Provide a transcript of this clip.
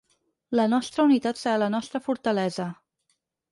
La nostra unitat serà la nostra fortalesa.